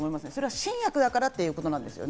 新薬だからということですよね。